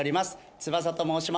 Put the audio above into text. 翼と申します。